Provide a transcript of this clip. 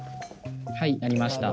はいありました。